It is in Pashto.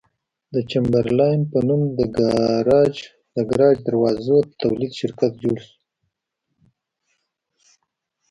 د چمبرلاین په نوم د ګراج دروازو د تولید شرکت جوړ شو.